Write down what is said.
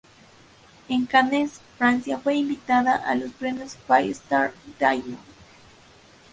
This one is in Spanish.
En Cannes, Francia fue invitada a los premios "Five Star Diamond".